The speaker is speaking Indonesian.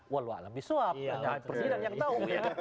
walau alami soap yang tahu